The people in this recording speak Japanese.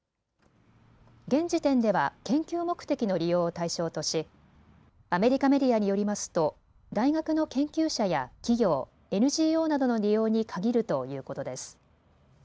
現時点では研究目的の利用を対象としアメリカメディアによりますと大学の研究者や企業、ＮＧＯなどの利用に限るということです。